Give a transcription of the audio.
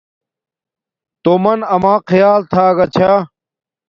تومن اما خیال تھا گا چھا